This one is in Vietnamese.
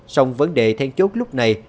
xong vấn đề then chốt lúc này